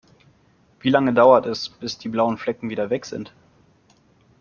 Wie lange dauert es, bis die blauen Flecken wieder weg sind?